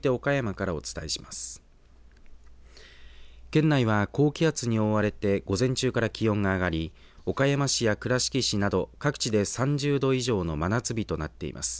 県内は高気圧に覆われて午前中から気温が上がり岡山市や倉敷市など各地で３０度以上の真夏日となっています。